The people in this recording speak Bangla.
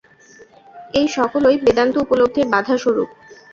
এই সকলই বেদান্ত উপলব্ধির বাধাস্বরূপ।